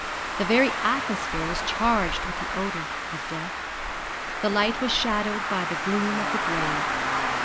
The very atmosphere was charged with the odour of death. The light was shadowed by the gloom of the grave.